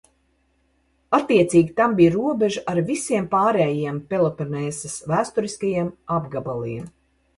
Attiecīgi tam bija robeža ar visiem pārējiem Peloponēsas vēsturiskajiem apgabaliem.